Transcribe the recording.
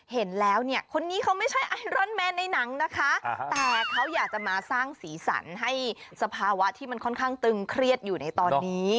เห็นแล้วเนี่ยคนนี้เขาไม่ใช่ไอรอนแมนในหนังนะคะแต่เขาอยากจะมาสร้างสีสันให้สภาวะที่มันค่อนข้างตึงเครียดอยู่ในตอนนี้